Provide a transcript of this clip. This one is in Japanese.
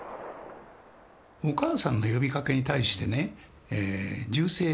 お母さんの呼びかけに対してね銃声で応えてる。